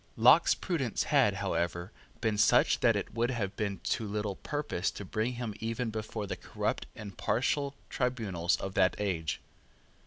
Locke's prudence had, however, been such that it would have been to little purpose to bring him even before the corrupt and partial tribunals of that age.